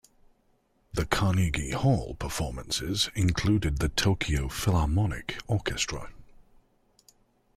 The Carnegie Hall performances included the Tokyo Philharmonic Orchestra.